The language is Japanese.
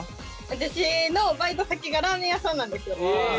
私のバイト先がラーメン屋さんなんですよ。